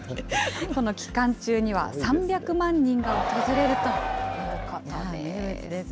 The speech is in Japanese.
この期間中には３００万人が訪れるということです。